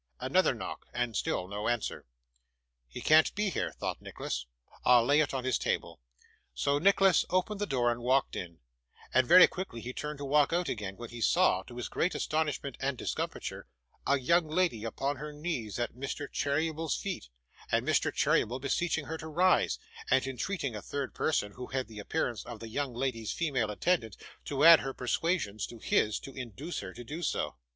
Another knock, and still no answer. 'He can't be here,' thought Nicholas. 'I'll lay it on his table.' So, Nicholas opened the door and walked in; and very quickly he turned to walk out again, when he saw, to his great astonishment and discomfiture, a young lady upon her knees at Mr. Cheeryble's feet, and Mr Cheeryble beseeching her to rise, and entreating a third person, who had the appearance of the young lady's female attendant, to add her persuasions to his to induce her to do so.